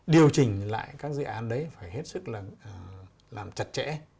điều chỉnh lại các dự án đấy phải hết sức là làm chặt chẽ